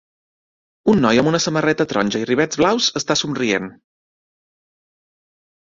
Un noi amb una samarreta taronja i rivets blaus està somrient.